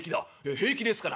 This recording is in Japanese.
「平気ですから」。